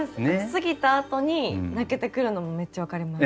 過ぎたあとに泣けてくるのもめっちゃ分かります。